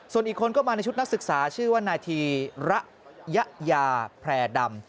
ส่วนอีกคนก็มาในชุดนักศึกษาชื่อว่านายธีระยะยาแพร่ดำ